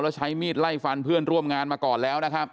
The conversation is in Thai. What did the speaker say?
แล้วใช้มีดไล่ฟันเพื่อนร่วมงานมาก่อนแล้วนะครับ